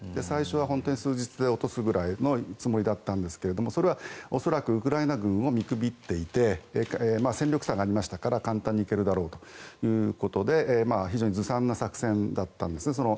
最初は数日で落とすぐらいのつもりだったんですがそれは恐らくウクライナ軍を見くびっていて戦力差がありましたから簡単に行けるだろうということで非常にずさんな作戦だったんですね。